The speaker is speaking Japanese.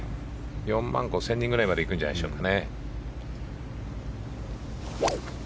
４万５０００人くらいまでいくんじゃないでしょうか。